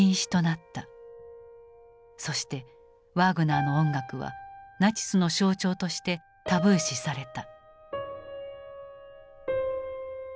そしてワーグナーの音楽はナチスの象徴としてタブー視された。